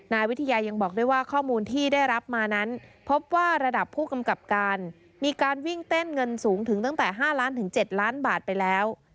นายวิทยายังบอกด้วยว่าข้อมูลที่ได้รับมานั้นพบว่าระดับผู้กำกับการมีการวิ่งเต้นเงินสูงถึงตั้งแต่๕ล้านถึง๗ล้านบาทไปแล้ว